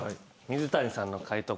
水谷さんの解答